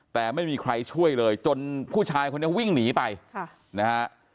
แต่ไม่มีใครช่วยเลยจนผู้ชายคนนี้วิ่งหนีไปค่ะนะฮะ